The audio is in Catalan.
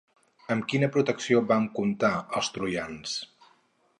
Amb quina protecció van comptar els troians?